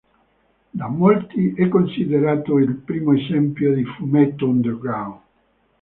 Da molti è considerato il primo esempio di fumetto underground.